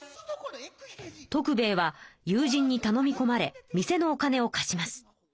徳兵衛は友人にたのみこまれ店のお金を貸します。